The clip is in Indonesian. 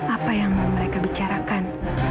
apa yang mereka bicarakan